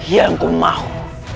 yang aku mau